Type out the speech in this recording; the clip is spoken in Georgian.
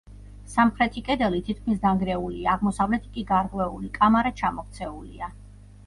სამხრეთი კედელი თითქმის დანგრეულია, აღმოსავლეთი კი გარღვეული; კამარა ჩამოქცეულია.